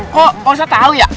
kok pak ustadz tahu ya